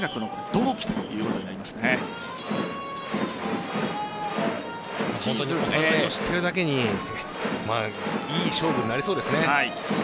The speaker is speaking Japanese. お互いを知ってるだけにいい勝負になりそうですね。